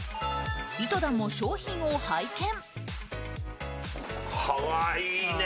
井戸田も商品を拝見。